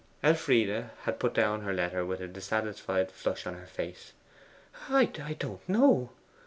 Elfride had put down her letter with a dissatisfied flush on her face. 'I don't know.